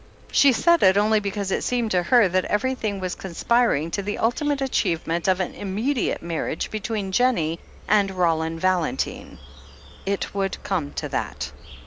She said it only because it seemed to her that every thing was conspiring to the ultimate achievement of an immediate marriage between Jennie and Roland Val entine. It would come to that.